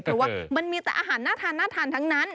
เพราะว่ามันมีแต่อาหารน่าทานน่าทานทั้งนั้น